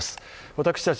私たち